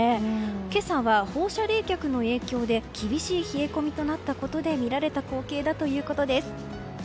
今朝は放射冷却の影響で厳しい冷え込みとなったことで見られた光景ということです。